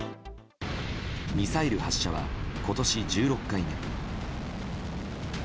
ミサイル発射は今年１６回目。